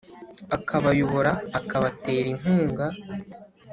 akabayobora, akabatera inkunga